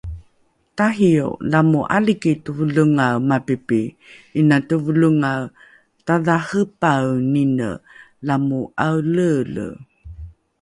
Tahiyo lamo 'aliki tevelengae mapipi, 'ina tevelengae tadhahepaenine lamo 'aeleele